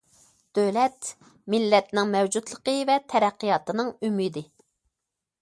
دۆلەت مىللەتنىڭ مەۋجۇتلۇقى ۋە تەرەققىياتىنىڭ ئۈمىدى.